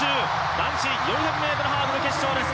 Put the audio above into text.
男子４００ｍハードル決勝です。